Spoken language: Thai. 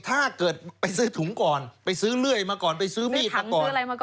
ถ้าเกิดไปซื้อถุงก่อนไปซื้อเลื่อยมาก่อนไปซื้อมีดมาก่อน